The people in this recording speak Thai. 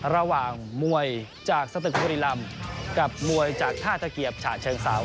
ระหว่างมวยจากสตกธุริรรมกับมวยจากท่าเทศเกียบฉะเชิงเศร้า